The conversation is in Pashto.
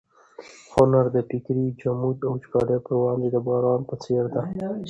هنر د فکري جمود او وچکالۍ پر وړاندې د باران په څېر دی.